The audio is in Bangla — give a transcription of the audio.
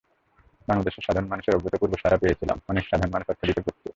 বাংলাদেশের সাধারণ মানুষের অভূতপূর্ব সাড়া পেয়েছিলাম, অনেক সাধারণ মানুষ অর্থ দিতে প্রস্তুত।